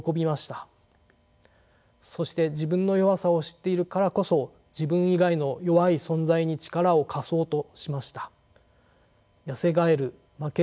そして自分の弱さを知っているからこそ自分以外の弱い存在に力を貸そうとしました。